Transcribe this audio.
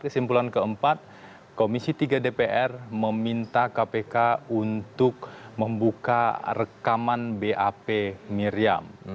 kesimpulan keempat komisi tiga dpr meminta kpk untuk membuka rekaman bap miriam